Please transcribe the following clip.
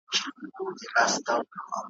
د ټګانو کوډګرانو له دامونو ,